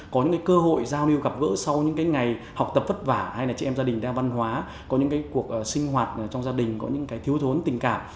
có những cơ hội giao lưu gặp gỡ sau những ngày học tập vất vả hay là chị em gia đình đa văn hóa có những cuộc sinh hoạt trong gia đình có những cái thiếu thốn tình cảm